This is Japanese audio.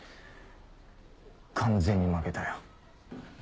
完全に負けたよ。